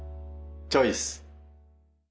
チョイス！